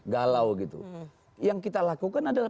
galau gitu yang kita lakukan adalah